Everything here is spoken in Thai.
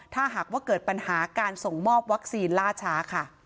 ถ้าหากว่าเกิดปัญหาการส่งมอบวัคซีนล่าช้าค่ะ